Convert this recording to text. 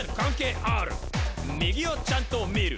「右をちゃんと見る！